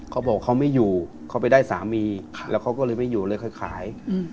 เขาบอกเขาไม่อยู่เขาไปได้สามีแล้วเขาก็เลยไม่อยู่เลยค่อยขาย